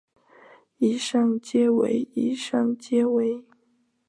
以上皆为以上皆为